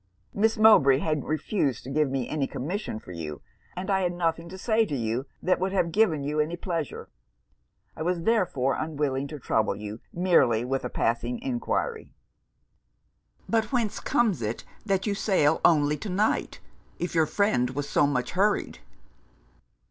Miss Mowbray had refused to give me any commission for you; and I had nothing to say to you that would have given you any pleasure. I was, therefore, unwilling to trouble you merely with a passing enquiry.' 'But whence comes it that you sail only to night, if your friend was so much hurried?'